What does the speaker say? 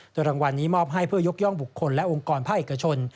โดยรางวัลนี้มอบให้เพื่อยกย่องบุคคลและองค์กรภาคเอกชน